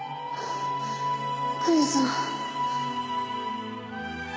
クイズは。